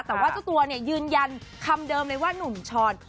แต่ว่าเจ้าตัวเนี่ยยืนยันคำเดิมเลยว่าหนุ่มช้อน